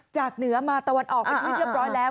เหนือมาตะวันออกเป็นที่เรียบร้อยแล้ว